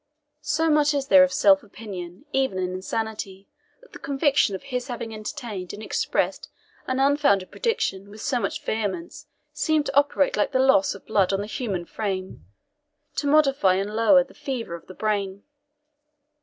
So much is there of self opinion, even in insanity, that the conviction of his having entertained and expressed an unfounded prediction with so much vehemence seemed to operate like loss of blood on the human frame, to modify and lower the fever of the brain.